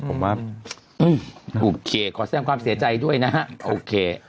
ผมว่าโอเคขอแสดงความเสียใจด้วยนะฮะโอเค